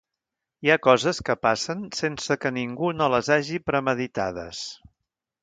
Hi ha coses que passen sense que ningú no les hagi premeditades.